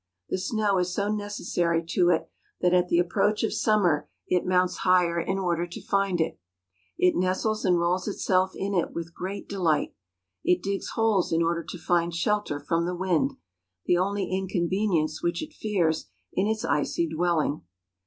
The snow is so necessary to it that at the approach of summer it mounts higher in order to find it. It nestles and rolls itself in it with great delight. It digs holes in order to find shelter from the wind, the only inconvenience which it fears in its icy dwelling.